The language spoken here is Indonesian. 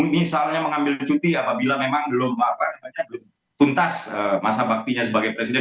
misalnya mengambil cuti apabila memang belum tuntas masa baktinya sebagai presiden